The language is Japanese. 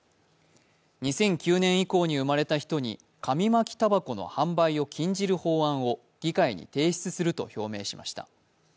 ２００９年以降に生まれた人に紙巻きたばこの販売を禁じる法案を議会に提出すると表明しました。